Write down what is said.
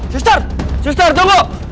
suster suster tunggu